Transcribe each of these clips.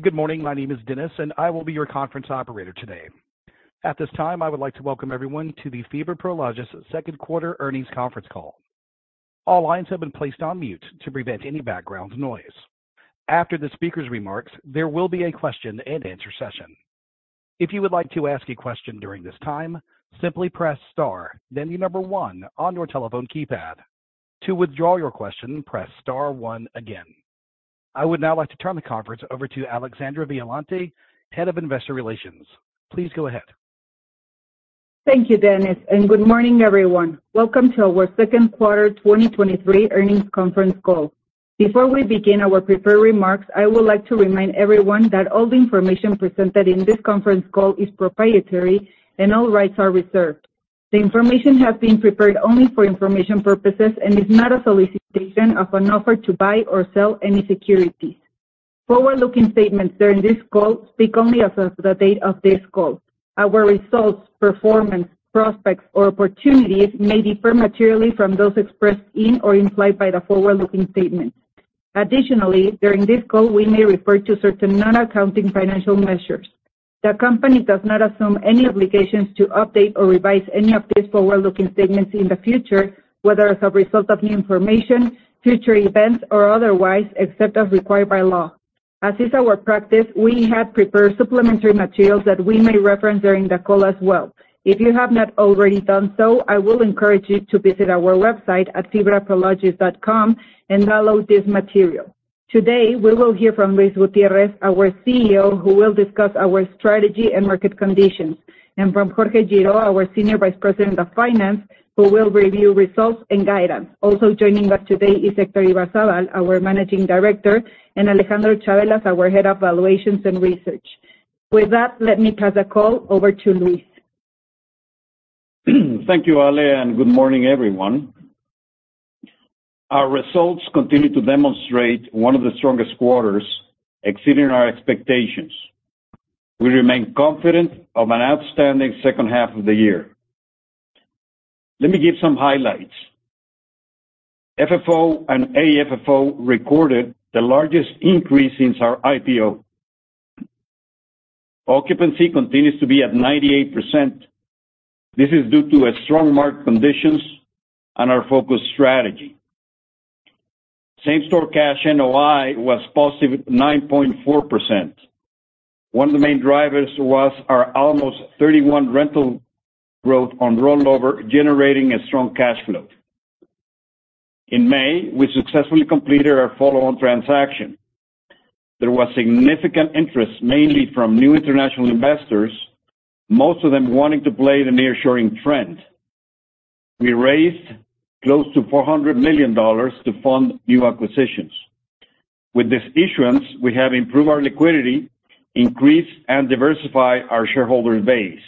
Good morning, my name is Dennis, and I will be your conference operator today. At this time, I would like to welcome everyone to the FIBRA Prologis' second quarter earnings conference call. All lines have been placed on mute to prevent any background noise. After the speaker's remarks, there will be a question-and-answer session. If you would like to ask a question during this time, simply press star, then the number one on your telephone keypad. To withdraw your question, press star one again. I would now like to turn the conference over to Alexandra Violante, Head of Investor Relations. Please go ahead. Thank you, Dennis, and good morning, everyone. Welcome to our second quarter 2023 earnings conference call. Before we begin our prepared remarks, I would like to remind everyone that all the information presented in this conference call is proprietary, and all rights are reserved. The information has been prepared only for information purposes and is not a solicitation of an offer to buy or sell any securities. Forward-looking statements during this call speak only as of the date of this call. Our results, performance, prospects, or opportunities may differ materially from those expressed in or implied by the forward-looking statements. Additionally, during this call, we may refer to certain non-accounting financial measures. The company does not assume any obligations to update or revise any of these forward-looking statements in the future, whether as a result of new information, future events, or otherwise, except as required by law. As is our practice, we have prepared supplementary materials that we may reference during the call as well. If you have not already done so, I will encourage you to visit our website at fibraprologis.com and download this material. Today, we will hear from Luis Gutiérrez, our CEO, who will discuss our strategy and market conditions, and from Jorge Girault, our Senior Vice President of Finance, who will review results and guidance. Also joining us today is Héctor Ibarzábal, our Managing Director, and Alejandro Chavelas, our Head of Valuations and Research. With that, let me pass the call over to Luis. Thank you, Ale, and good morning, everyone. Our results continue to demonstrate one of the strongest quarters, exceeding our expectations. We remain confident of an outstanding second half of the year. Let me give some highlights. FFO and AFFO recorded the largest increase since our IPO. Occupancy continues to be at 98%. This is due to a strong market conditions and our focused strategy. Same-store cash NOI was positive 9.4%. One of the main drivers was our almost 31 rental growth on rollover, generating a strong cash flow. In May, we successfully completed our follow-on transaction. There was significant interest, mainly from new international investors, most of them wanting to play the nearshoring trend. We raised close to $400 million to fund new acquisitions. With this issuance, we have improved our liquidity, increased and diversified our shareholder base.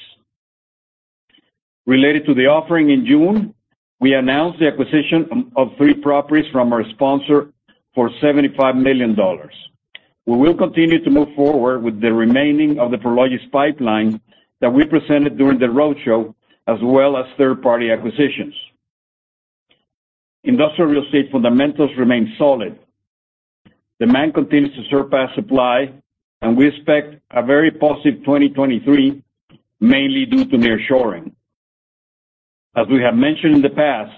Related to the offering in June, we announced the acquisition of three properties from our sponsor for $75 million. We will continue to move forward with the remaining of the Prologis pipeline that we presented during the roadshow, as well as third-party acquisitions. Industrial real estate fundamentals remain solid. Demand continues to surpass supply, and we expect a very positive 2023, mainly due to nearshoring. As we have mentioned in the past,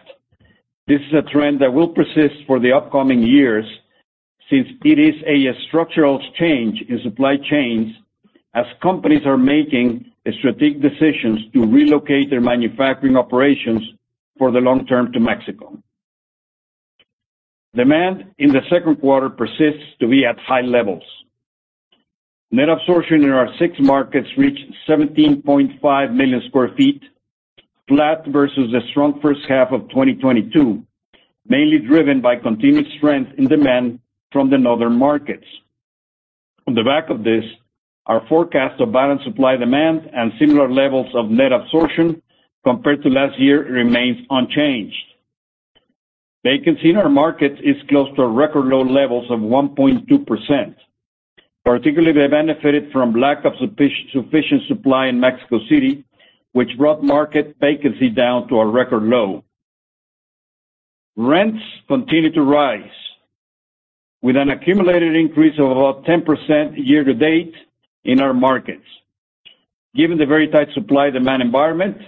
this is a trend that will persist for the upcoming years since it is a structural change in supply chains, as companies are making strategic decisions to relocate their manufacturing operations for the long term to Mexico. Demand in the second quarter persists to be at high levels. Net absorption in our six markets reached 17.5 million sq ft, flat versus the strong first half of 2022, mainly driven by continued strength in demand from the northern markets. On the back of this, our forecast of balanced supply demand and similar levels of net absorption compared to last year remains unchanged. Vacancy in our markets is close to record low levels of 1.2%, particularly they benefited from lack of sufficient supply in Mexico City, which brought market vacancy down to a record low. Rents continue to rise with an accumulated increase of about 10% year to date in our markets. Given the very tight supply-demand environment,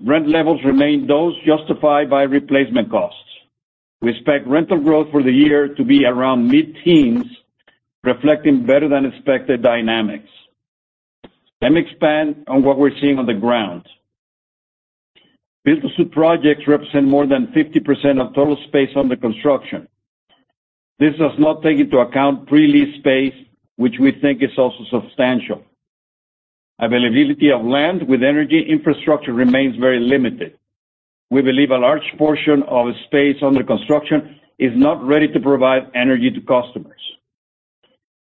rent levels remain those justified by replacement costs. We expect rental growth for the year to be around mid-teens, reflecting better than expected dynamics. Let me expand on what we're seeing on the ground. Build-to-suit projects represent more than 50% of total space under construction. This does not take into account pre-lease space, which we think is also substantial. Availability of land with energy infrastructure remains very limited. We believe a large portion of space under construction is not ready to provide energy to customers.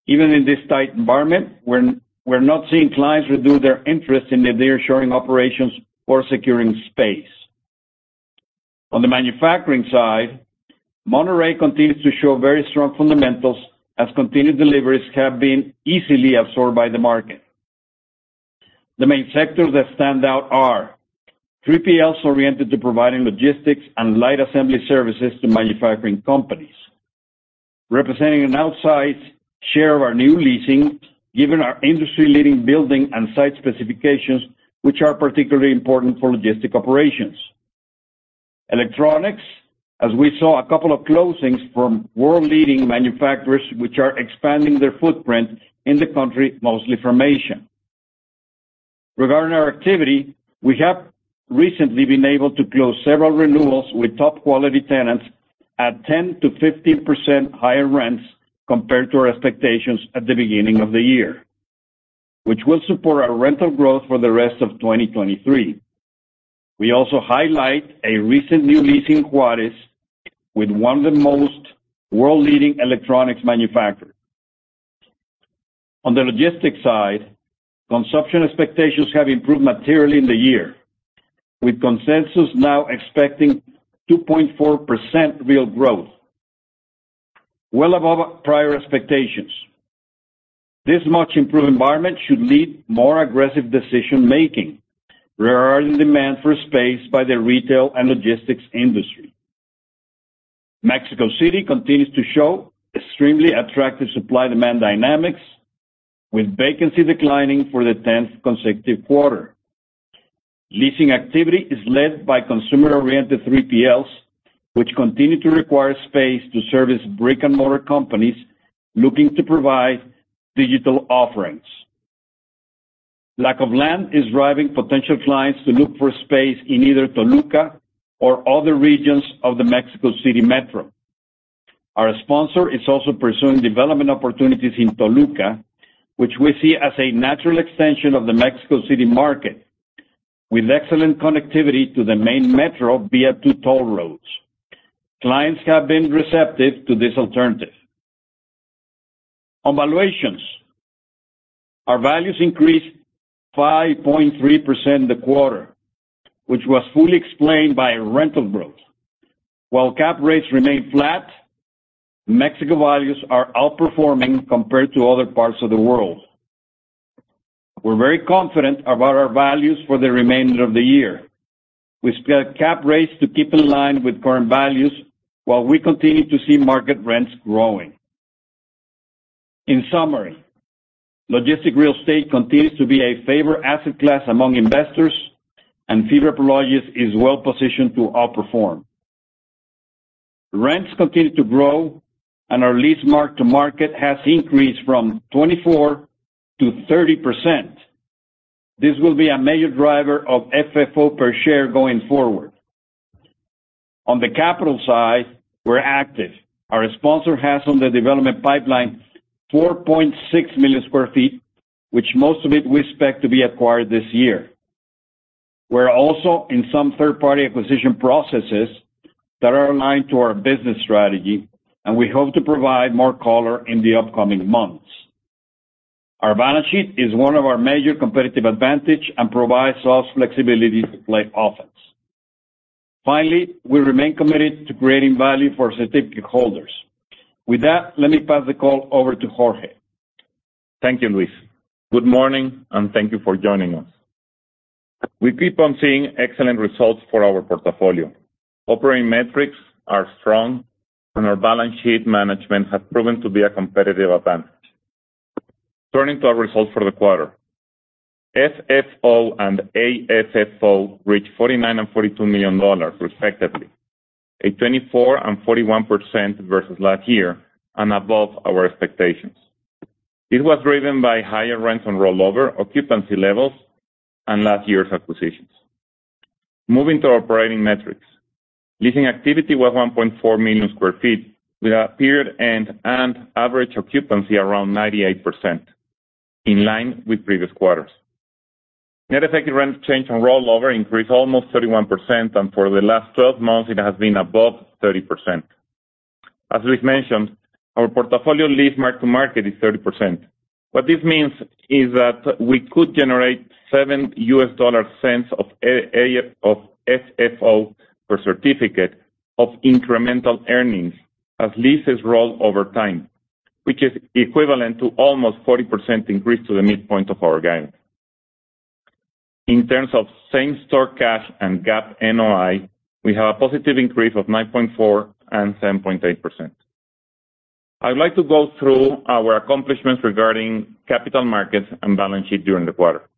Even in this tight environment, we're not seeing clients reduce their interest in the nearshoring operations or securing space. On the manufacturing side, Monterrey continues to show very strong fundamentals as continued deliveries have been easily absorbed by the market…. The main sectors that stand out are 3PLs oriented to providing logistics and light assembly services to manufacturing companies, representing an outsized share of our new leasing, given our industry-leading building and site specifications, which are particularly important for logistic operations. Electronics, as we saw a couple of closings from world-leading manufacturers, which are expanding their footprint in the country, mostly from Asia. Regarding our activity, we have recently been able to close several renewals with top quality tenants at 10%-15% higher rents compared to our expectations at the beginning of the year, which will support our rental growth for the rest of 2023. We also highlight a recent new leasing quarters with one of the most world-leading electronics manufacturers. On the logistics side, consumption expectations have improved materially in the year, with consensus now expecting 2.4% real growth, well above prior expectations. This much improved environment should lead more aggressive decision-making, creating demand for space by the retail and logistics industry. Mexico City continues to show extremely attractive supply-demand dynamics, with vacancy declining for the tenth consecutive quarter. Leasing activity is led by consumer-oriented 3PLs, which continue to require space to service brick-and-mortar companies looking to provide digital offerings. Lack of land is driving potential clients to look for space in either Toluca or other regions of the Mexico City Metro. Our sponsor is also pursuing development opportunities in Toluca, which we see as a natural extension of the Mexico City market, with excellent connectivity to the main metro via two toll roads. Clients have been receptive to this alternative. On valuations, our values increased 5.3% in the quarter, which was fully explained by rental growth. While cap rates remain flat, Mexico values are outperforming compared to other parts of the world. We're very confident about our values for the remainder of the year. We expect cap rates to keep in line with current values while we continue to see market rents growing. In summary, logistics real estate continues to be a favorite asset class among investors, and FIBRA Prologis is well positioned to outperform. Rents continue to grow, and our lease mark-to-market has increased from 24%-30%. This will be a major driver of FFO per share going forward. On the capital side, we're active. Our sponsor has on the development pipeline 4.6 million sq ft, which most of it we expect to be acquired this year. We're also in some third-party acquisition processes that are aligned to our business strategy, and we hope to provide more color in the upcoming months. Our balance sheet is one of our major competitive advantage and provides us flexibility to play offense. Finally, we remain committed to creating value for certificate holders. With that, let me pass the call over to Jorge. Thank you, Luis. Good morning, and thank you for joining us. We keep on seeing excellent results for our portfolio. Operating metrics are strong, and our balance sheet management has proven to be a competitive advantage. Turning to our results for the quarter, FFO and AFFO reached $49 million and $42 million, respectively, 24% and 41% versus last year and above our expectations. This was driven by higher rents on rollover, occupancy levels, and last year's acquisitions. Moving to our operating metrics. Leasing activity was 1.4 million sq ft, with our period end and average occupancy around 98%, in line with previous quarters. Net effective rent change on rollover increased almost 31%, and for the last 12 months, it has been above 30%. As Luis mentioned, our portfolio lease mark-to-market is 30%. What this means is that we could generate $0.07 of AFFO or FFO per certificate of incremental earnings as leases roll over time, which is equivalent to almost 40% increase to the midpoint of our guidance. In terms of same-store cash and GAAP NOI, we have a positive increase of 9.4% and 7.8%. I would like to go through our accomplishments regarding capital markets and balance sheet during the quarter.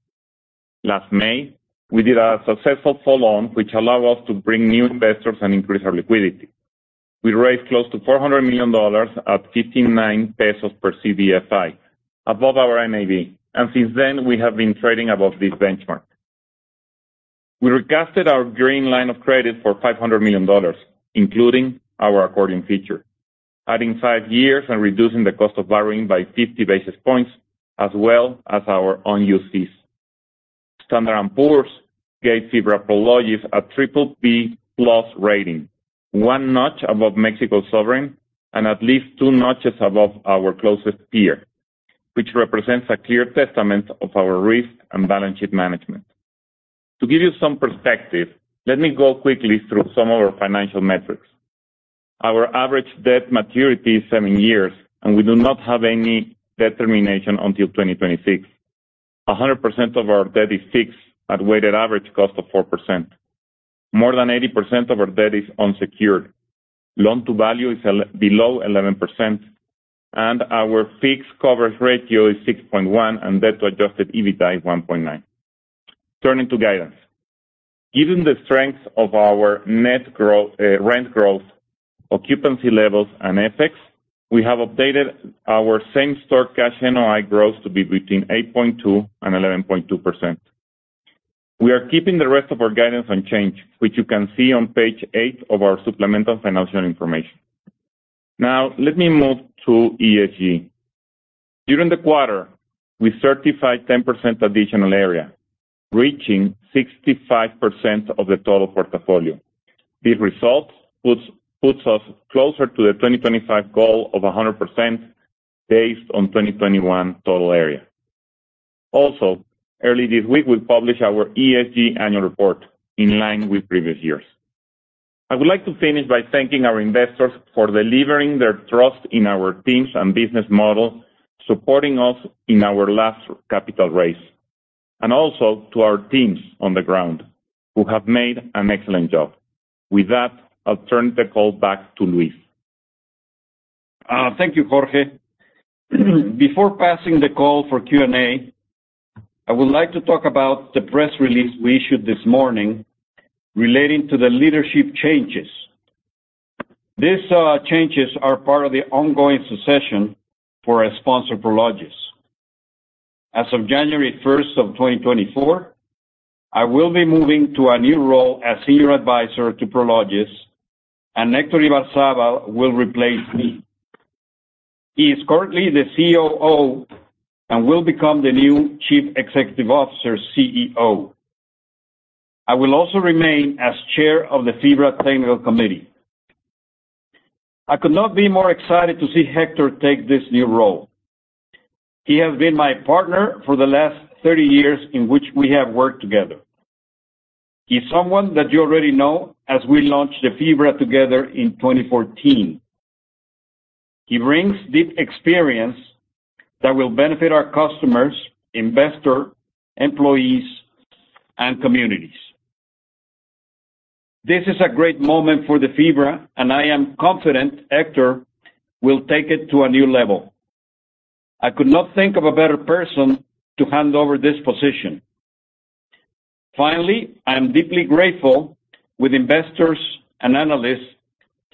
Last May, we did a successful follow-on, which allow us to bring new investors and increase our liquidity. We raised close to $400 million at 59 pesos per CBFI, above our NAV, and since then, we have been trading above this benchmark. We recasted our green line of credit for $500 million, including our accordion feature, adding five years and reducing the cost of borrowing by 50 basis points, as well as our own uses. Standard & Poor's gave Fibra Prologis a triple B plus rating, one notch above Mexico Sovereign and at least two notches above our closest peer, which represents a clear testament of our risk and balance sheet management. To give you some perspective, let me go quickly through some of our financial metrics. Our average debt maturity is 7 years, and we do not have any debt termination until 2026. 100% of our debt is fixed at weighted average cost of 4%. More than 80% of our debt is unsecured. Loan-to-value is below 11%, and our fixed coverage ratio is 6.1, and debt to adjusted EBITDA is 1.9. Turning to guidance. Given the strength of our net growth, rent growth, occupancy levels, and FX, we have updated our same-store cash NOI growth to be between 8.2% and 11.2%. We are keeping the rest of our guidance unchanged, which you can see on page 8 of our supplemental financial information. Now, let me move to ESG. During the quarter, we certified 10% additional area, reaching 65% of the total portfolio. This result puts us closer to the 2025 goal of 100%, based on 2021 total area. Also, early this week, we published our ESG annual report, in line with previous years. I would like to finish by thanking our investors for delivering their trust in our teams and business model, supporting us in our last capital raise, and also to our teams on the ground, who have made an excellent job. With that, I'll turn the call back to Luis. Thank you, Jorge. Before passing the call for Q&A, I would like to talk about the press release we issued this morning relating to the leadership changes. These changes are part of the ongoing succession for a sponsor, Prologis. As of January 1, 2024, I will be moving to a new role as senior advisor to Prologis, and Héctor Ibarzábal will replace me. He is currently the COO and will become the new Chief Executive Officer, CEO. I will also remain as chair of the FIBRA Technical Committee. I could not be more excited to see Héctor take this new role. He has been my partner for the last 30 years in which we have worked together. He's someone that you already know, as we launched the FIBRA together in 2014. He brings deep experience that will benefit our customers, investor, employees, and communities. This is a great moment for the FIBRA, and I am confident Héctor will take it to a new level. I could not think of a better person to hand over this position. Finally, I am deeply grateful with investors and analysts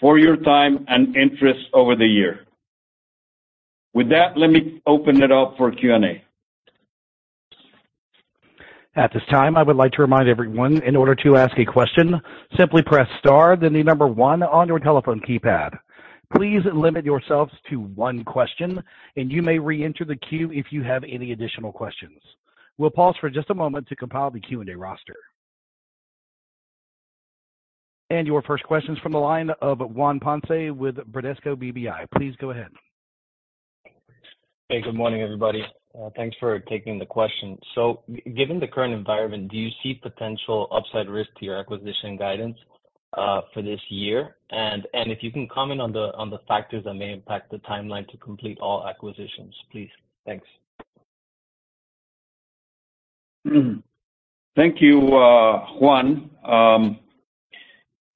for your time and interest over the year. With that, let me open it up for Q&A. At this time, I would like to remind everyone, in order to ask a question, simply press star then the number one on your telephone keypad. Please limit yourselves to one question, and you may reenter the queue if you have any additional questions. We'll pause for just a moment to compile the Q&A roster. And your first question's from the line of Juan Ponce with Bradesco BBI. Please go ahead. Hey, good morning, everybody. Thanks for taking the question. So given the current environment, do you see potential upside risk to your acquisition guidance for this year? And if you can comment on the factors that may impact the timeline to complete all acquisitions, please. Thanks. Thank you, Juan.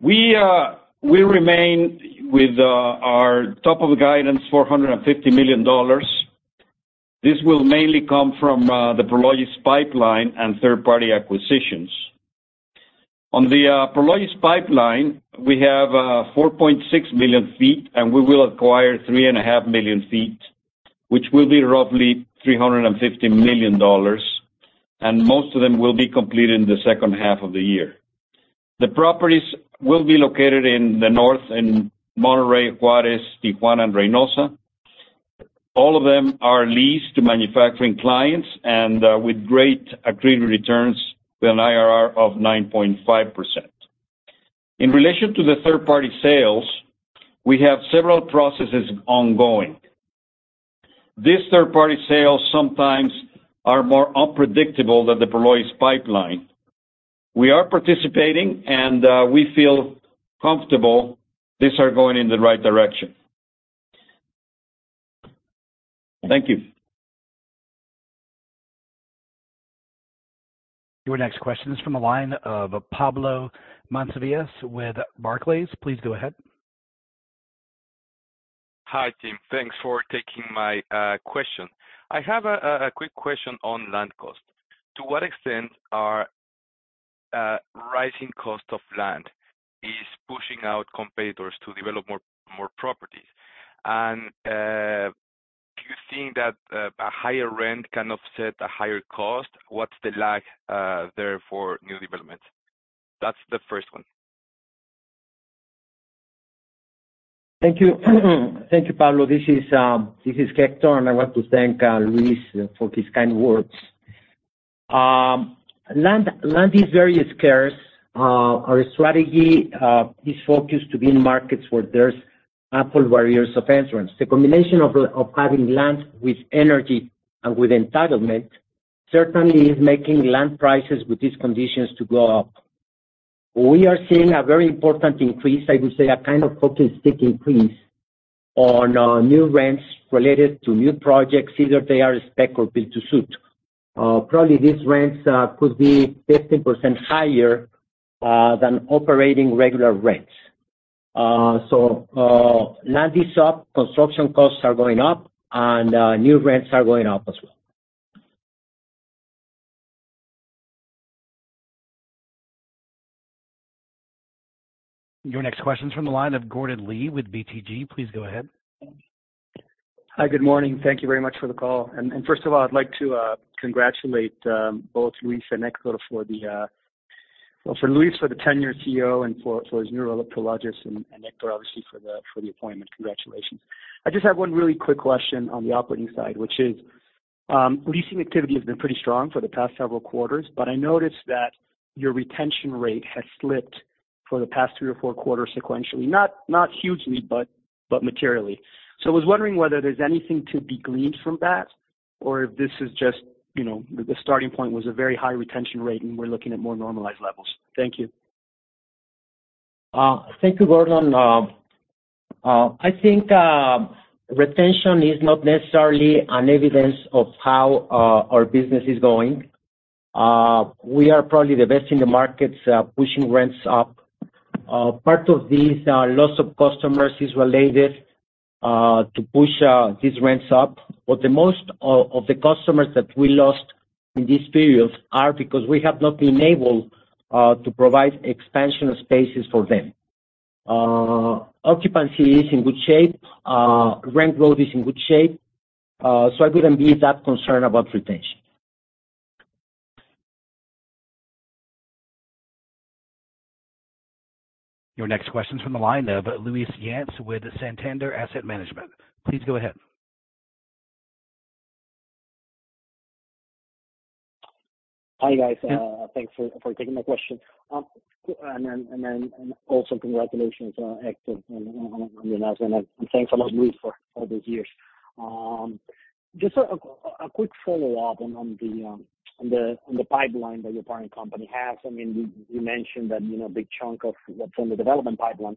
We remain with our top of the guidance, $450 million. This will mainly come from the Prologis pipeline and third-party acquisitions. On the Prologis pipeline, we have 4.6 million sq ft, and we will acquire 3.5 million sq ft, which will be roughly $350 million, and most of them will be completed in the second half of the year. The properties will be located in the north, in Monterrey, Juárez, Tijuana, and Reynosa. All of them are leased to manufacturing clients and with great agreed returns with an IRR of 9.5%. In relation to the third-party sales, we have several processes ongoing. These third-party sales sometimes are more unpredictable than the Prologis pipeline. We are participating, and, we feel comfortable these are going in the right direction. Thank you. Your next question is from the line of Pablo Monsivais with Barclays. Please go ahead. Hi, team. Thanks for taking my question. I have a quick question on land cost. To what extent are rising cost of land is pushing out competitors to develop more properties? And do you think that a higher rent can offset a higher cost? What's the lag there for new developments? That's the first one. Thank you. Thank you, Pablo. This is Héctor, and I want to thank Luis for his kind words. Land is very scarce. Our strategy is focused to be in markets where there's- ... high barriers to entry. The combination of having land with energy and with entitlement certainly is making land prices with these conditions to go up. We are seeing a very important increase, I would say a kind of hockey stick increase, on new rents related to new projects, either they are spec or build-to-suit. Probably these rents could be 15% higher than operating regular rents. So land is up, construction costs are going up, and new rents are going up as well. Your next question is from the line of Gordon Lee with BTG. Please go ahead. Hi, good morning. Thank you very much for the call. First of all, I'd like to congratulate both Luis and Héctor for the... Well, for Luis, for his tenure as CEO and for his new role at Prologis, and Héctor, obviously for the appointment. Congratulations. I just have one really quick question on the operating side, which is, leasing activity has been pretty strong for the past several quarters, but I noticed that your retention rate has slipped for the past three or four quarters sequentially, not hugely, but materially. So I was wondering whether there's anything to be gleaned from that, or if this is just, you know, the starting point was a very high retention rate and we're looking at more normalized levels. Thank you. Thank you, Gordon. I think, retention is not necessarily an evidence of how our business is going. We are probably the best in the markets, pushing rents up. Part of this, loss of customers is related, to push, these rents up. But the most of the customers that we lost in this period are because we have not been able to provide expansion of spaces for them. Occupancy is in good shape, rent growth is in good shape, so I wouldn't be that concerned about retention. Your next question is from the line of Luis Yance with Santander Asset Management. Please go ahead. Hi, guys. Thanks for taking my question. And also congratulations, Héctor, on the announcement, and thanks a lot, Luis, for all those years. Just a quick follow-up on the pipeline that your parent company has. I mean, you mentioned that, you know, a big chunk of, from the development pipeline,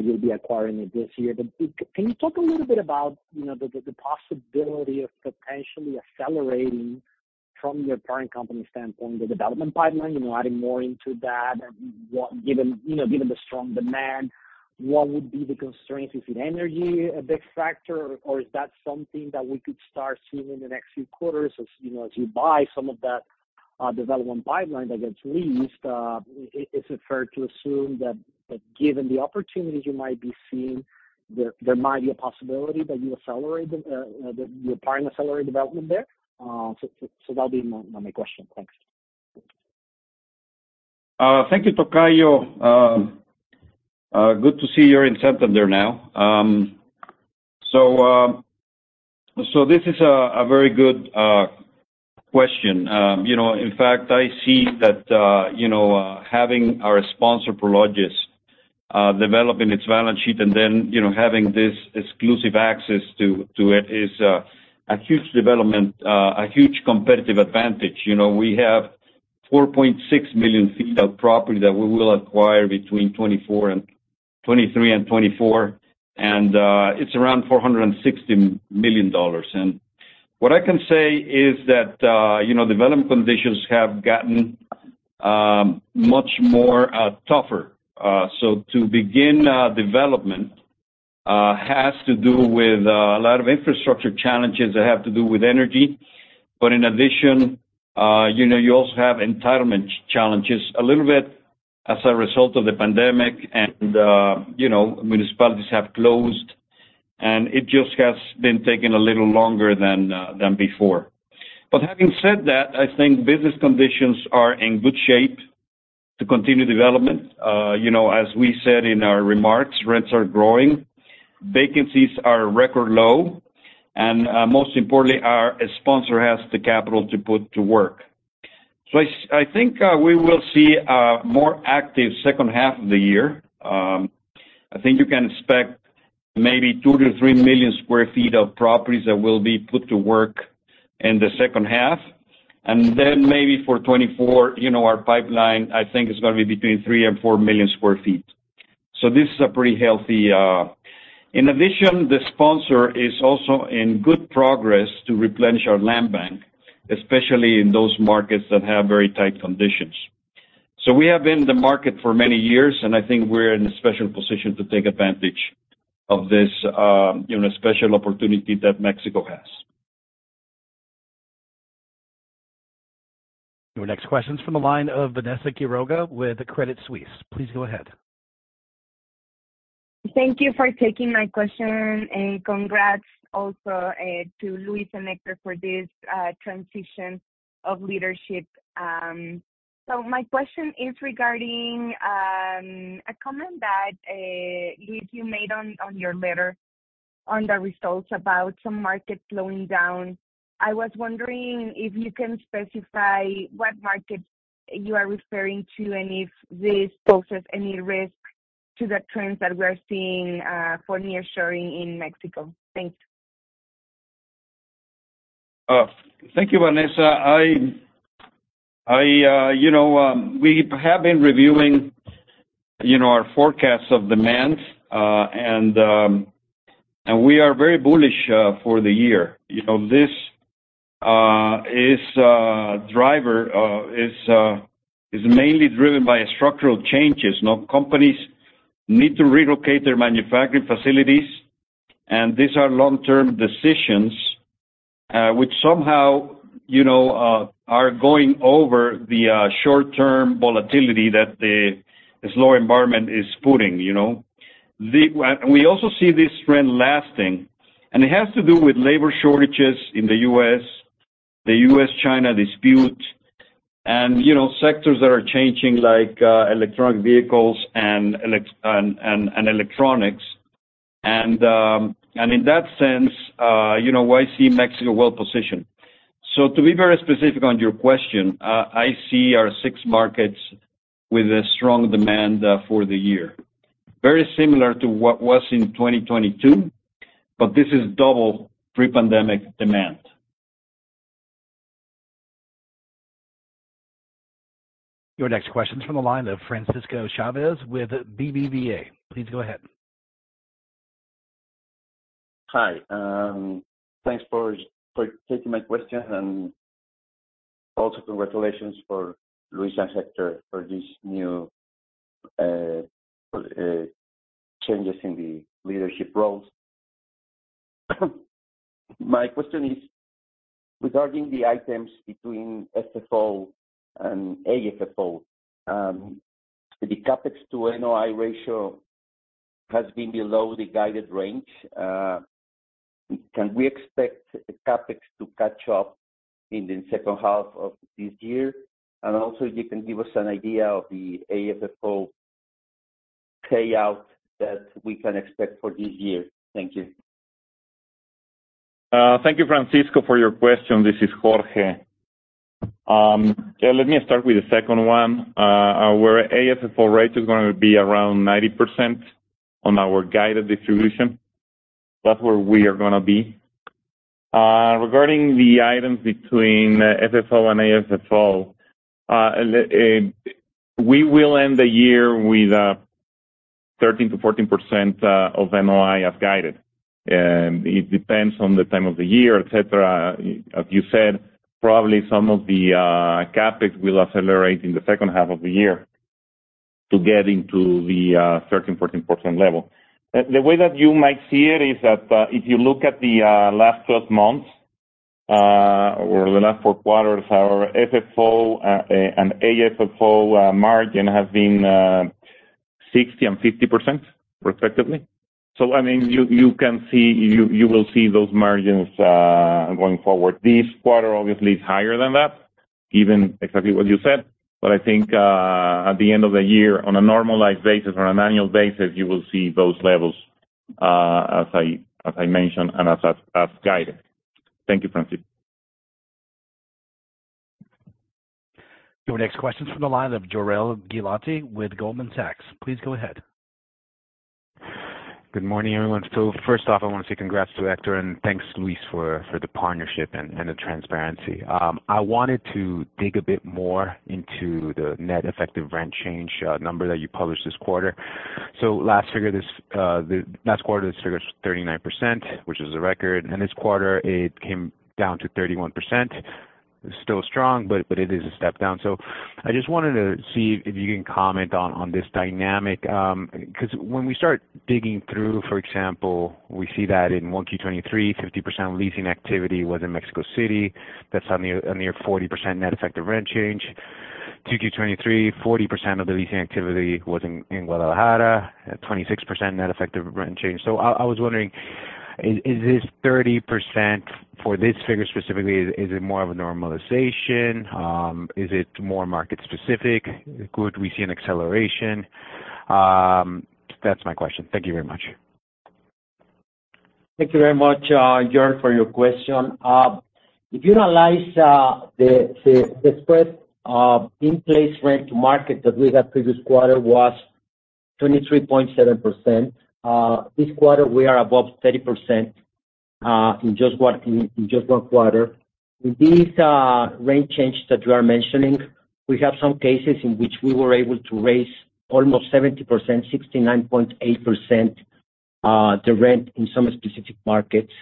you'll be acquiring it this year. But can you talk a little bit about, you know, the possibility of potentially accelerating from your parent company standpoint, the development pipeline, you know, adding more into that and what given, you know, given the strong demand, what would be the constraints? Is it energy a big factor, or is that something that we could start seeing in the next few quarters as, you know, as you buy some of that development pipeline that gets leased? Is it fair to assume that given the opportunities you might be seeing, there might be a possibility that you accelerate the that you're planning to accelerate development there? So that'll be my question. Thanks. Thank you, Tocayo. Good to see you're in Santander now. So this is a very good question. You know, in fact, I see that you know, having our sponsor, Prologis, developing its balance sheet and then, you know, having this exclusive access to it is a huge development, a huge competitive advantage. You know, we have 4.6 million sq ft of property that we will acquire between 2023 and 2024, and it's around $460 million. And what I can say is that you know, development conditions have gotten much more tougher. So to begin, development has to do with a lot of infrastructure challenges that have to do with energy. But in addition, you know, you also have entitlement challenges, a little bit as a result of the pandemic and, you know, municipalities have closed, and it just has been taking a little longer than before. But having said that, I think business conditions are in good shape to continue development. You know, as we said in our remarks, rents are growing, vacancies are record low, and, most importantly, our sponsor has the capital to put to work. So I think we will see a more active second half of the year. I think you can expect maybe 2-3 million sq ft of properties that will be put to work in the second half, and then maybe for 2024, you know, our pipeline, I think, is gonna be between 3-4 million sq ft. So this is a pretty healthy. In addition, the sponsor is also in good progress to replenish our land bank, especially in those markets that have very tight conditions. So we have been in the market for many years, and I think we're in a special position to take advantage of this, you know, special opportunity that Mexico has. Your next question is from the line of Vanessa Quiroga with Credit Suisse. Please go ahead. Thank you for taking my question, and congrats also to Luis and Héctor for this transition of leadership. So my question is regarding a comment that Luis you made on your letter.... on the results about some markets slowing down. I was wondering if you can specify what markets you are referring to, and if this poses any risk to the trends that we're seeing for nearshoring in Mexico? Thanks. Thank you, Vanessa. I you know, we have been reviewing, you know, our forecasts of demand, and we are very bullish for the year. You know, this is mainly driven by structural changes. Now, companies need to relocate their manufacturing facilities, and these are long-term decisions, which somehow, you know, are going over the short-term volatility that the slow environment is putting, you know? We also see this trend lasting, and it has to do with labor shortages in the U.S., the U.S.-China dispute, and, you know, sectors that are changing, like electric vehicles and EVs and electronics. And in that sense, you know, I see Mexico well positioned. To be very specific on your question, I see our six markets with a strong demand for the year. Very similar to what was in 2022, but this is double pre-pandemic demand. Your next question is from the line of Francisco Chávez with BBVA. Please go ahead. Hi, thanks for taking my question, and also congratulations for Luis and Héctor for this new changes in the leadership roles. My question is, regarding the items between FFO and AFFO, the CapEx to NOI ratio has been below the guided range. Can we expect CapEx to catch up in the second half of this year? And also, you can give us an idea of the AFFO payout that we can expect for this year. Thank you. Thank you, Francisco, for your question. This is Jorge. Yeah, let me start with the second one. Our AFFO rate is gonna be around 90% on our guided distribution. That's where we are gonna be. Regarding the items between FFO and AFFO, we will end the year with 13%-14% of NOI as guided. It depends on the time of the year, et cetera. As you said, probably some of the CapEx will accelerate in the second half of the year to get into the 13%-14% level. The way that you might see it is that if you look at the last 12 months or the last 4 quarters, our FFO and AFFO margin has been 60% and 50%, respectively. So, I mean, you, you can see—you, you will see those margins going forward. This quarter, obviously, is higher than that, given exactly what you said. But I think, at the end of the year, on a normalized basis, on an annual basis, you will see those levels, as I, as I mentioned, and as I guided. Thank you, Francisco. Your next question is from the line of Jorel Guilloty with Goldman Sachs. Please go ahead. Good morning, everyone. So first off, I wanna say congrats to Héctor, and thanks, Luis, for the partnership and the transparency. I wanted to dig a bit more into the net effective rent change number that you published this quarter. So last quarter, this figure was 39%, which is a record, and this quarter it came down to 31%. It's still strong, but it is a step down. So I just wanted to see if you can comment on this dynamic, because when we start digging through, for example, we see that in 1Q 2023, 50% leasing activity was in Mexico City. That's on a near 40% net effective rent change. 2Q 2023, 40% of the leasing activity was in Guadalajara, at 26% net effective rent change. So I was wondering, is this 30% for this figure specifically, is it more of a normalization? Is it more market specific? Could we see an acceleration? That's my question. Thank you very much. Thank you very much, Jorel, for your question. If you analyze the spread in place rent to market that we had previous quarter was 23.7%. This quarter, we are above 30%, in just one quarter. With these rent changes that you are mentioning, we have some cases in which we were able to raise almost 70%/69.8%, the rent in some specific markets.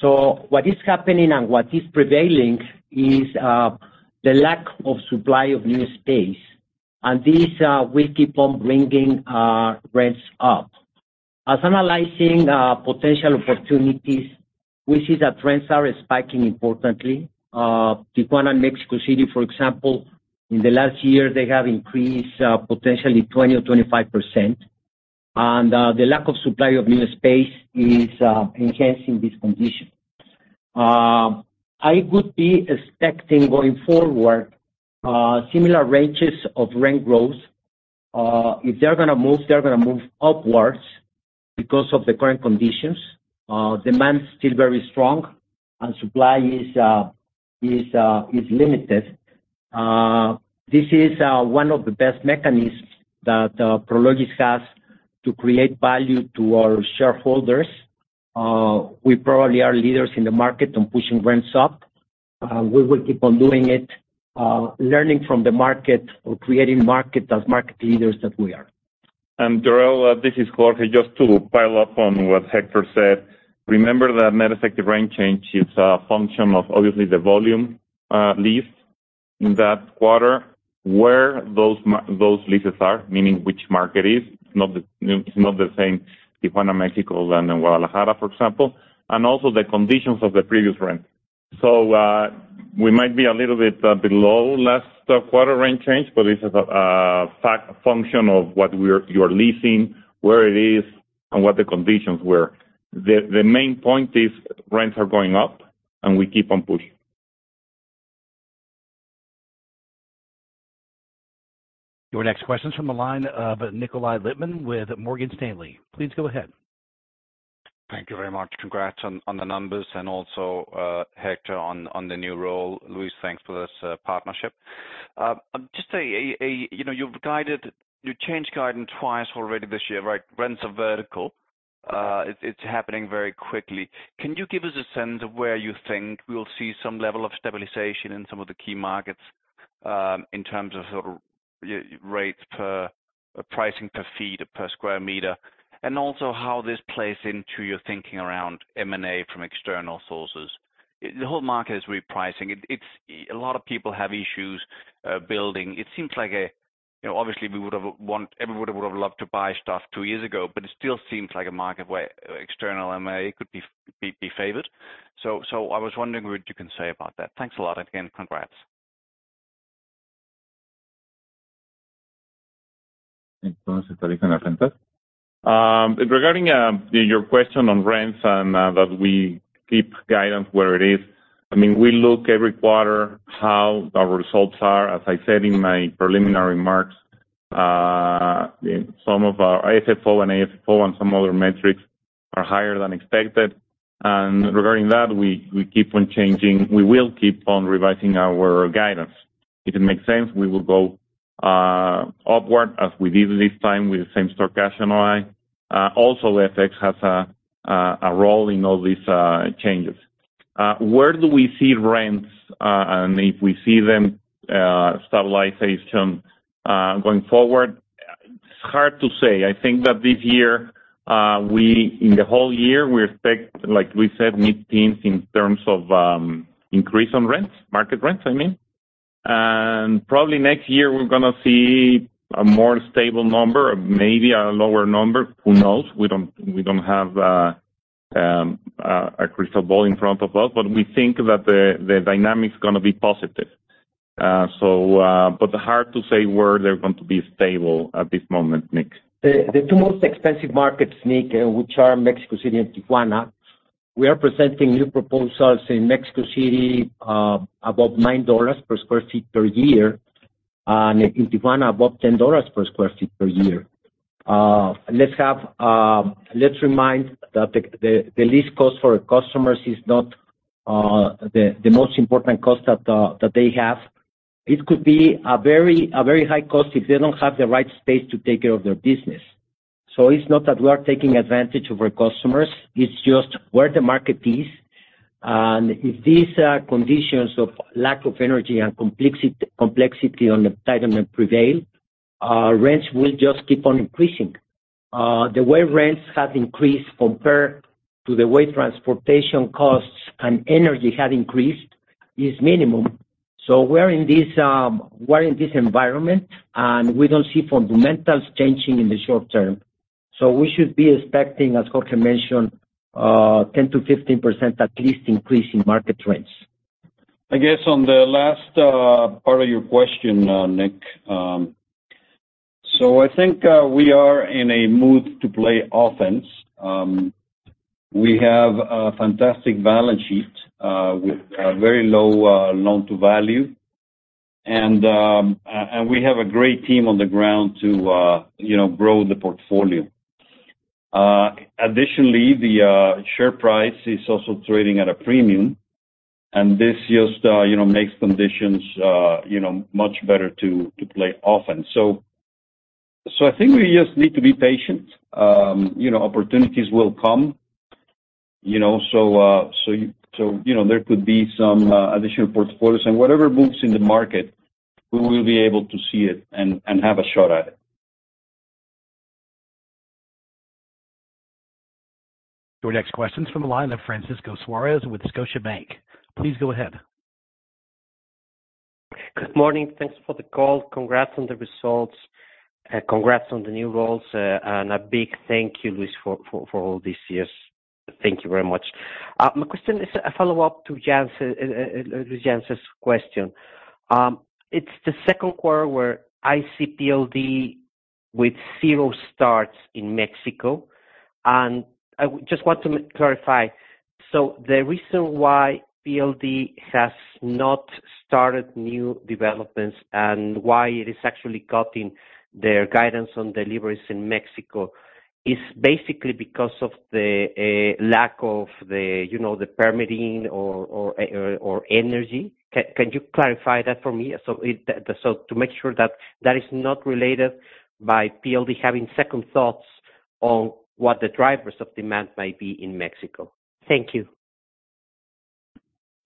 So what is happening and what is prevailing is the lack of supply of new space, and this will keep on bringing rents up. As analyzing potential opportunities, we see that rents are spiking importantly. Tijuana and Mexico City, for example, in the last year, they have increased potentially 20% or 25%. The lack of supply of new space is enhancing this condition. I would be expecting going forward similar ranges of rent growth. If they're gonna move, they're gonna move upwards because of the current conditions. Demand is still very strong and supply is limited. This is one of the best mechanisms that Prologis has to create value to our shareholders. We probably are leaders in the market on pushing rents up. We will keep on doing it, learning from the market or creating market as market leaders that we are. Jorel, this is Jorge. Just to pile up on what Hector said, remember that net effective rent change is a function of obviously the volume leased in that quarter, where those leases are, meaning which market is. It's not the same Tijuana, Mexico, and then Guadalajara, for example, and also the conditions of the previous rent. So, we might be a little bit below last quarter rent change, but this is a function of what you are leasing, where it is, and what the conditions were. The main point is rents are going up, and we keep on pushing. Your next question is from the line of Nikolaj Lippmann with Morgan Stanley. Please go ahead. Thank you very much. Congrats on the numbers and also, Héctor, on the new role. Luis, thanks for this partnership. Just a, you know, you've guided-- you changed guidance twice already this year, right? Rents are vertical. It's happening very quickly. Can you give us a sense of where you think we'll see some level of stabilization in some of the key markets, in terms of sort of y- rates per, pricing per feet, per square meter, and also how this plays into your thinking around M&A from external sources? The whole market is repricing. It's... A lot of people have issues building. It seems like, you know, obviously, we would have wanted—everybody would have loved to buy stuff two years ago, but it still seems like a market where external M&A could be favored. So I was wondering what you can say about that. Thanks a lot. Again, congrats. Regarding your question on rents and that we keep guidance where it is, I mean, we look every quarter how our results are. As I said in my preliminary remarks, some of our AFFO and AFFO and some other metrics are higher than expected. Regarding that, we keep on changing. We will keep on revising our guidance. If it makes sense, we will go upward, as we did this time with the same-store cash NOI. Also, FX has a role in all these changes. Where do we see rents and if we see them stabilization going forward? It's hard to say. I think that this year, in the whole year, we expect, like we said, mid-teens in terms of increase on rents, market rents, I mean. Probably next year, we're gonna see a more stable number, maybe a lower number. Who knows? We don't have a crystal ball in front of us, but we think that the dynamic is gonna be positive. So, but hard to say where they're going to be stable at this moment, Nick. The two most expensive markets, Nick, which are Mexico City and Tijuana, we are presenting new proposals in Mexico City above $9 per sq ft per year, and in Tijuana, above $10 per sq ft per year. Let's remind that the lease cost for customers is not the most important cost that they have. It could be a very high cost if they don't have the right space to take care of their business. So it's not that we are taking advantage of our customers, it's just where the market is. And if these conditions of lack of energy and complexity on entitlement prevail, rents will just keep on increasing. The way rents have increased compared to the way transportation costs and energy have increased is minimum. So we're in this, we're in this environment, and we don't see fundamentals changing in the short term. So we should be expecting, as Jorge mentioned, 10%-15%, at least, increase in market rents. I guess on the last part of your question, Nick, so I think we are in a mood to play offense. We have a fantastic balance sheet with a very low loan-to-value, and we have a great team on the ground to you know grow the portfolio. Additionally, the share price is also trading at a premium, and this just you know makes conditions you know much better to play offense. So I think we just need to be patient. You know, opportunities will come, you know, so you know, there could be some additional portfolios, and whatever moves in the market, we will be able to see it and have a shot at it. Your next question's from the line of Francisco Suárez with Scotiabank. Please go ahead. Good morning. Thanks for the call. Congrats on the results, and congrats on the new roles, and a big thank you, Luis, for all these years. Thank you very much. My question is a follow-up to Jan's question. It's the second quarter where I see PLD with zero starts in Mexico. And I just want to clarify, so the reason why PLD has not started new developments and why it is actually cutting their guidance on deliveries in Mexico, is basically because of the lack of the, you know, the permitting or energy? Can you clarify that for me? So it, the, so to make sure that that is not related by PLD having second thoughts on what the drivers of demand might be in Mexico. Thank you.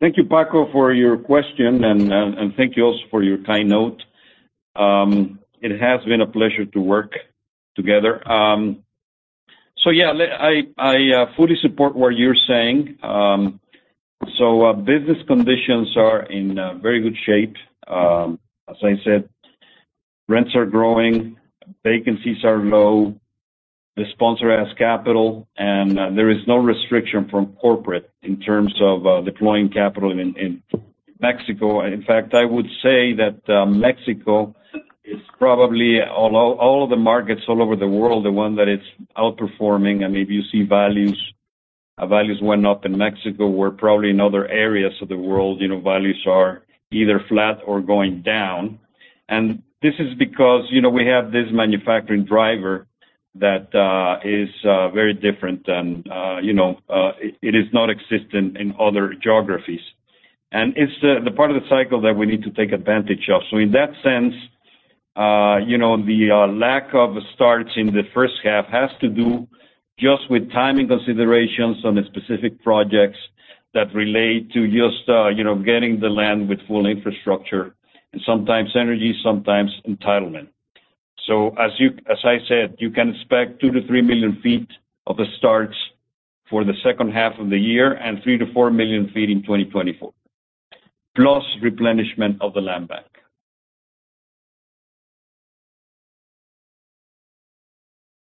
Thank you, Paco, for your question, and thank you also for your kind note. It has been a pleasure to work together. So yeah, I fully support what you're saying. So, business conditions are in very good shape. As I said, rents are growing, vacancies are low, the sponsor has capital, and there is no restriction from corporate in terms of deploying capital in Mexico. In fact, I would say that Mexico is probably all of the markets all over the world, the one that is outperforming, and maybe you see values, values went up in Mexico, where probably in other areas of the world, you know, values are either flat or going down. This is because, you know, we have this manufacturing driver that is very different than, you know, it is not existent in other geographies. It's the part of the cycle that we need to take advantage of. In that sense, you know, the lack of starts in the first half has to do just with timing considerations on the specific projects that relate to just, you know, getting the land with full infrastructure, and sometimes energy, sometimes entitlement. As I said, you can expect 2-3 million sq ft of starts for the second half of the year, and 3-4 million sq ft in 2024, plus replenishment of the land bank.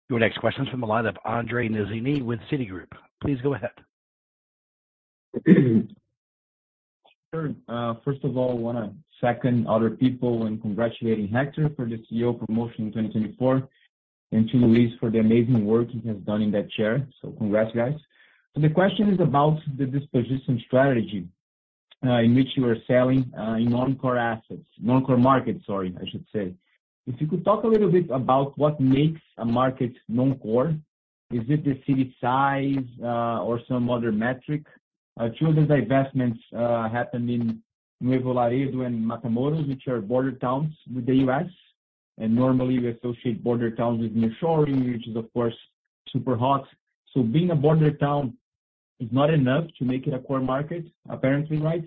Your next question's from the line of André Mazini with Citigroup. Please go ahead. First of all, I wanna second other people in congratulating Héctor for the CEO promotion in 2024, and to Luis for the amazing work he has done in that chair. So congrats, guys. So the question is about the disposition strategy, in which you are selling in non-core assets, non-core markets, sorry, I should say. If you could talk a little bit about what makes a market non-core. Is it the city size, or some other metric? Two of the divestments happened in Nuevo Laredo and Matamoros, which are border towns with the U.S., and normally we associate border towns with nearshoring, which is, of course, super hot. So being a border town is not enough to make it a core market, apparently, right?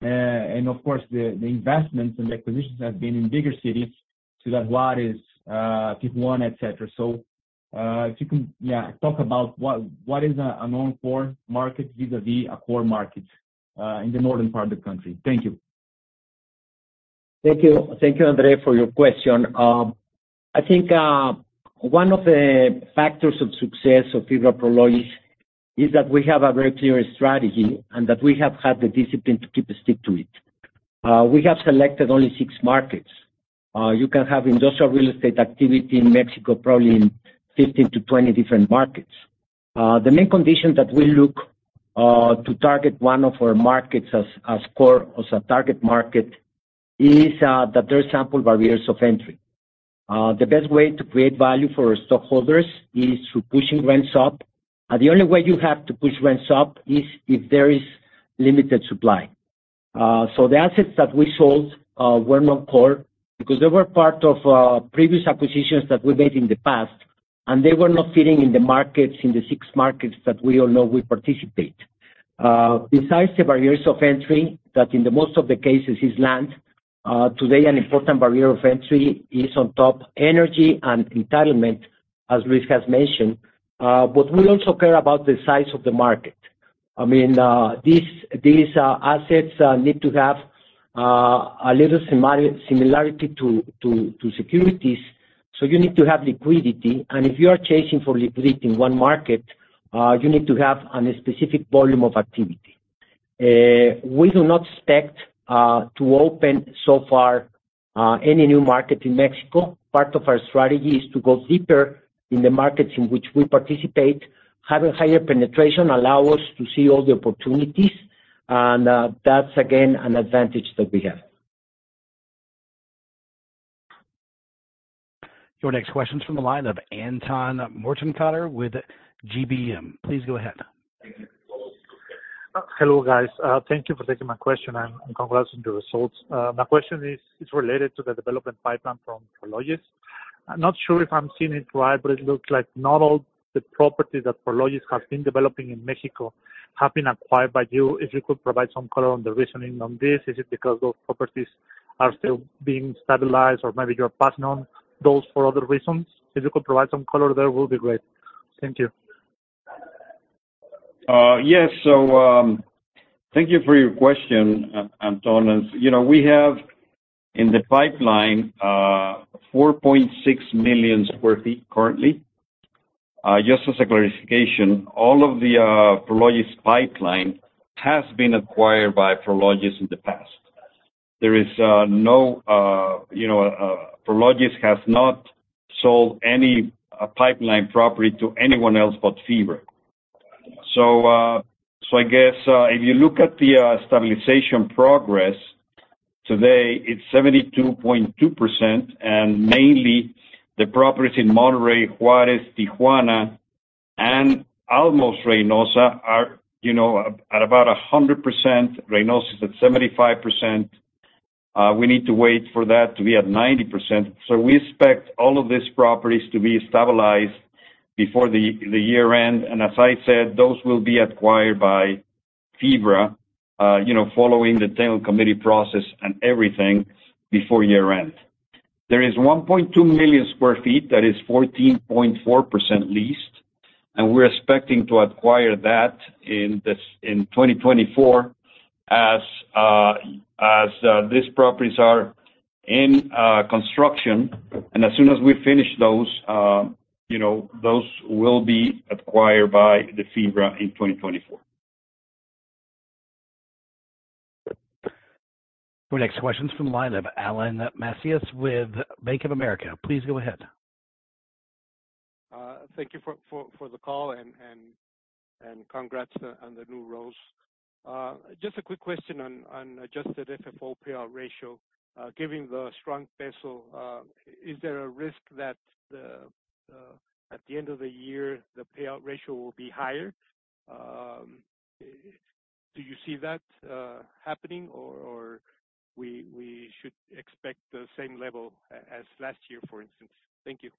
And of course, the investments and acquisitions have been in bigger cities, Ciudad Juárez, Tijuana, et cetera. So, if you can, talk about what is a non-core market vis-à-vis a core market in the northern part of the country? Thank you. Thank you. Thank you, André, for your question. I think one of the factors of success of FIBRA Prologis is that we have a very clear strategy, and that we have had the discipline to stick to it. We have selected only six markets. You can have industrial real estate activity in Mexico, probably in 15-20 different markets. The main condition that we look to target one of our markets as core, as a target market, is that there are substantial barriers of entry. The best way to create value for our stockholders is through pushing rents up. The only way you have to push rents up is if there is limited supply. So the assets that we sold were non-core, because they were part of previous acquisitions that we made in the past, and they were not fitting in the markets, in the six markets that we all know we participate. Besides the barriers of entry, that in most of the cases is land, today an important barrier of entry is on top, energy and entitlement, as Luis has mentioned, but we also care about the size of the market. I mean, these assets need to have a little similarity to securities, so you need to have liquidity, and if you are chasing for liquidity in one market, you need to have a specific volume of activity. We do not expect to open so far any new market in Mexico. Part of our strategy is to go deeper in the markets in which we participate. Having higher penetration allow us to see all the opportunities, and that's again, an advantage that we have. Your next question is from the line of Anton Mortenkotter with GBM. Please go ahead. Thank you. Hello, guys. Thank you for taking my question, and congrats on the results. My question is related to the development pipeline from Prologis. I'm not sure if I'm seeing it right, but it looks like not all the properties that Prologis has been developing in Mexico have been acquired by you. If you could provide some color on the reasoning on this. Is it because those properties are still being stabilized, or maybe you're passing on those for other reasons? If you could provide some color there, would be great. Thank you. Yes. Thank you for your question, Anton. As you know, we have in the pipeline 4.6 million sq ft currently.... Just as a clarification, all of the Prologis pipeline has been acquired by Prologis in the past. There is no, you know, Prologis has not sold any pipeline property to anyone else but FIBRA. So, so I guess, if you look at the stabilization progress, today, it's 72.2%, and mainly the properties in Monterrey, Juárez, Tijuana, and almost Reynosa are, you know, at about 100%. Reynosa is at 75%. We need to wait for that to be at 90%. So we expect all of these properties to be stabilized before the year end. And as I said, those will be acquired by FIBRA, you know, following the Technical Committee process and everything before year end. There is 1.2 million sq ft, that is 14.4% leased, and we're expecting to acquire that in 2024, as these properties are in construction. And as soon as we finish those, you know, those will be acquired by the FIBRA in 2024. Our next question is from the line of Alan Macías with Bank of America Corporation. Please go ahead. Thank you for the call and congrats on the new roles. Just a quick question on adjusted FFO payout ratio. Giving the strong peso, is there a risk that at the end of the year, the payout ratio will be higher? Do you see that happening or we should expect the same level as last year, for instance? Thank you.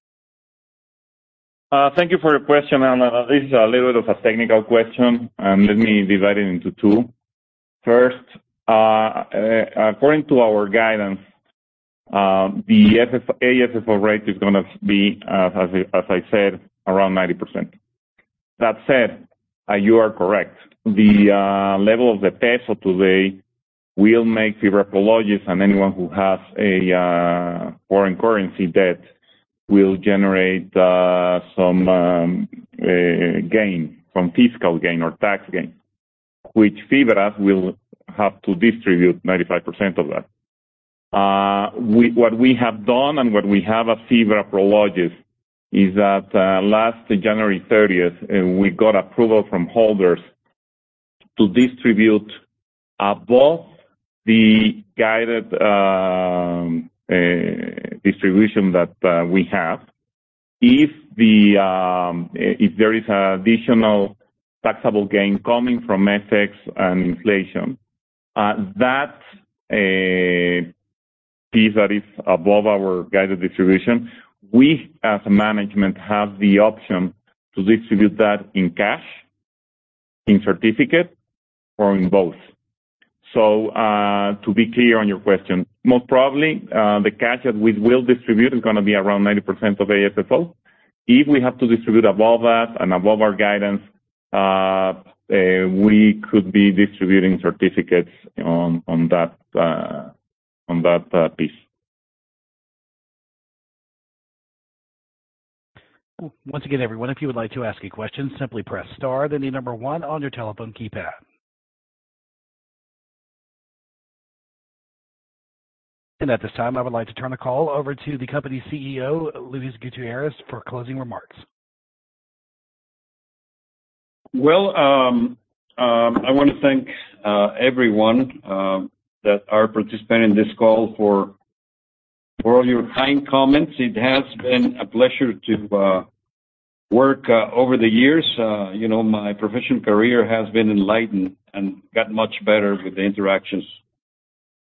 Thank you for your question, Alan. This is a little bit of a technical question, and let me divide it into two. First, according to our guidance, the FF-AFFO rate is gonna be, as I said, around 90%. That said, you are correct. The level of the peso today will make FIBRA Prologis and anyone who has a foreign currency debt will generate some gain, some fiscal gain or tax gain, which FIBRA will have to distribute 95% of that. What we have done and what we have at FIBRA Prologis is that, last January thirtieth, we got approval from holders to distribute above the guided distribution that we have. If there is an additional taxable gain coming from FX and inflation, that piece that is above our guided distribution, we, as management, have the option to distribute that in cash, in certificate, or in both. So, to be clear on your question, most probably, the cash that we will distribute is gonna be around 90% of AFFO. If we have to distribute above that and above our guidance, we could be distributing certificates on that piece. Once again, everyone, if you would like to ask a question, simply press star, then the number one on your telephone keypad. At this time, I would like to turn the call over to the company's Chief Executive Officer, Luis Gutiérrez, for closing remarks. Well, I want to thank everyone that are participating in this call for all your kind comments. It has been a pleasure to work over the years. You know, my professional career has been enlightened and got much better with the interactions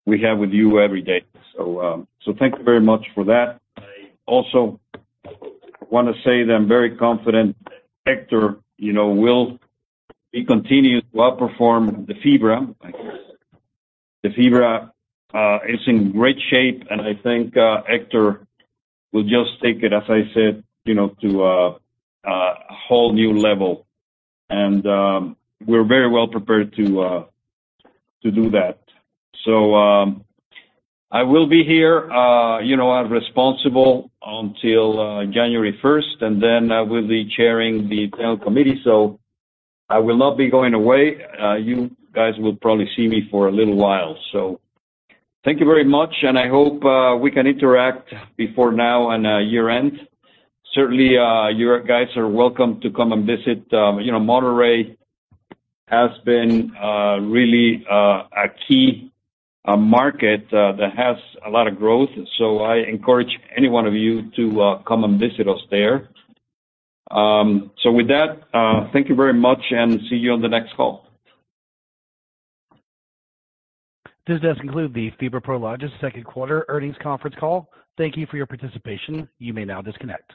we have with you every day. So, so thank you very much for that. I also want to say that I'm very confident Héctor, you know, will be continued to outperform the FIBRA. The FIBRA is in great shape, and I think, Héctor will just take it, as I said, you know, to a whole new level. And, we're very well prepared to do that. I will be here, you know, I'm responsible until January first, and then I will be chairing the Technical Committee, so I will not be going away. You guys will probably see me for a little while. Thank you very much, and I hope we can interact before now and year-end. Certainly, you guys are welcome to come and visit, you know, Monterrey has been really a key market that has a lot of growth, so I encourage any one of you to come and visit us there. With that, thank you very much, and see you on the next call. This does conclude the FIBRA Prologis second quarter earnings conference call. Thank you for your participation. You may now disconnect.